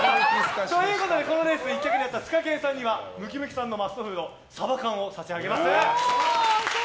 このレース１着のツカケンさんにはムキムキさんのマストフードサバ缶を差し上げます。